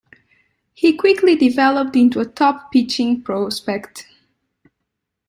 He quickly developed into a top pitching prospect.